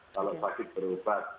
kalau sakit berubat